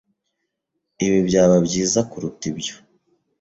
Ibi byaba byiza kuruta ibyo.